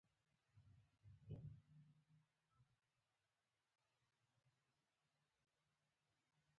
که باور کمزوری شي، اراده هم ماتيږي.